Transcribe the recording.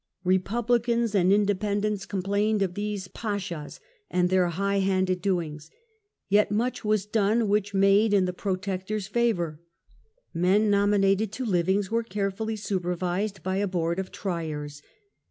Republi cans and Independents complained of these "pashas" and their high handed doings. Yet much was done which made in the Protectors favour. Men nominated to livings were carefully supervised by a board of " Triers".